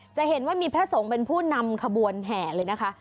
จะเห็นว่ามีพระสงฆ์เป็นผู้นำขบวนแห่เลยนะคะ